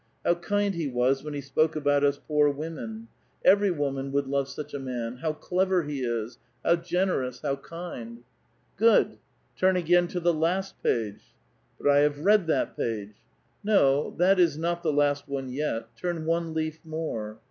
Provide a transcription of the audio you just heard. How kind he was when he spoke about us poor women ! Every womnn would love Buch a man. How clever he is ! how generous ! how kind 1 "" Good ! Turn again to the last page." " But I have read that page !"" No ; that is not the last one yet. Turn one leaf more."